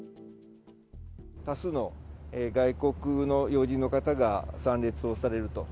多数の外国の要人の方が参列をされると。